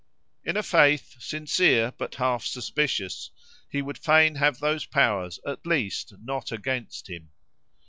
In a faith, sincere but half suspicious, he would fain have those Powers at least not against him.